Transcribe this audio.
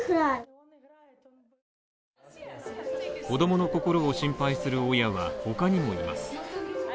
子供の心を心配する親はほかにもいます。